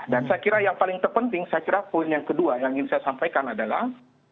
dan saya kira yang paling terpenting saya kira poin yang kedua yang ingin saya sampaikan adalah